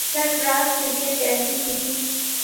سرفراز کے لیے پہلی تین